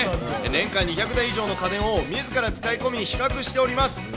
年間２００台以上の家電をみずから使い込み、比較しております。